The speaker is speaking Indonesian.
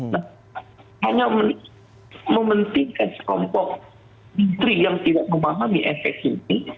nah hanya mementingkan sekelompok menteri yang tidak memahami efek ini